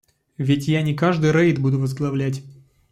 Ведь я не каждый рейд буду возглавлять.